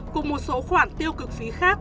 cùng một số khoản tiêu cực phí khác